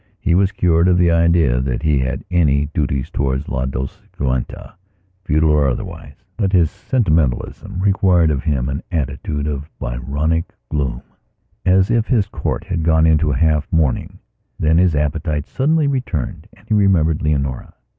He was cured of the idea that he had any duties towards La Dolciquitafeudal or otherwise. But his sentimentalism required of him an attitude of Byronic gloomas if his court had gone into half mourning. Then his appetite suddenly returned, and he remembered Leonora.